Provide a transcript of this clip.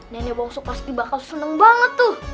nenek wongso pasti bakal seneng banget tuh